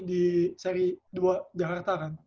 di seri dua jakarta kan